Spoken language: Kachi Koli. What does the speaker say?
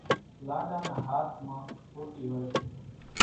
لاڏا نا هاٿ مان ۿوٽِي هوئيَ سي۔